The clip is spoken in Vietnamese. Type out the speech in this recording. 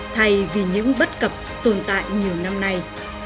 thay vì những bất cập tồn tại nhiều năm nay